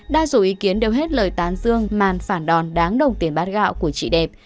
đa số ý kiến đều hết lời tán dương màn phản đòn đáng đồng tiền bát gạo của chị đẹp